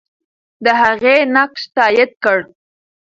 د هغې نقش تایید کړه.